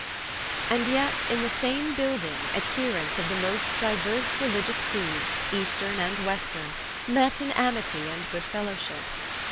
And yet in the same building adherents of the most diverse religious creeds, eastern and western, met in amity and good fellowship.